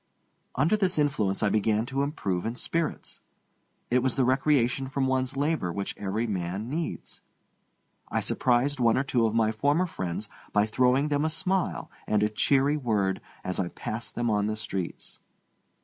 Under this influence I began to improve in spirits. It was the recreation from one's labor which every man needs. I surprised one or two of my former friends by throwing them a smile and a cheery word as I passed them on the streets.